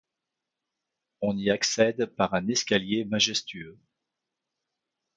On y accède par un escalier majestueux.